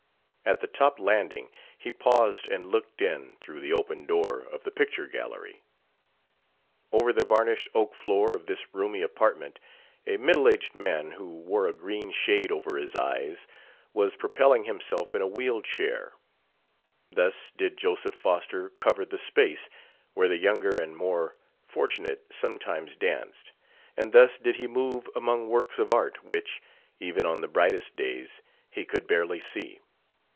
At the top landing he paused and looked in through the open door of the picture gallery. Over the varnished oak floor of this roomy apartment a middle aged man who wore a green shade above his eyes was propelling himself in a wheeled chair. Thus did Joseph Foster cover the space where the younger and more fortunate sometimes danced, and thus did he move among works of art which, even on the brightest days, he could barely see.